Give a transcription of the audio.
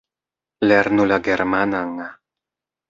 Lernu la germanan!